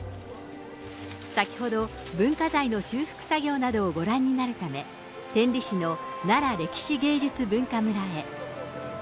先ほど、文化財の修復作業などをご覧になるため、天理市のなら歴史芸術文化村へ。